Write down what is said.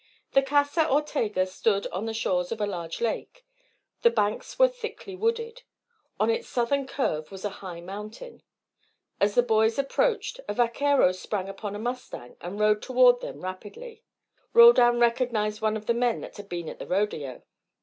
The Casa Ortega stood on the shores of a large lake. The banks were thickly wooded. On its southern curve was a high mountain. As the boys approached, a vaquero sprang upon a mustang and rode toward them rapidly. Roldan recognised one of the men that had been at the rodeo.